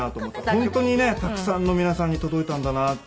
本当にねたくさんの皆さんに届いたんだなって。